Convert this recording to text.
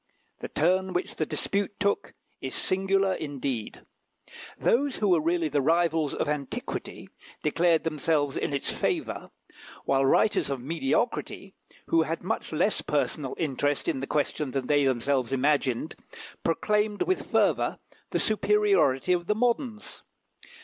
The turn which the dispute took is singular indeed. Those who were really the rivals of antiquity declared themselves in its favour, while writers of mediocrity, who had much less personal interest in the question than they themselves imagined, proclaimed with fervour the superiority of the moderns.